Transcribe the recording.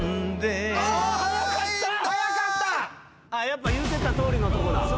やっぱ言うてたとおりのとこだ。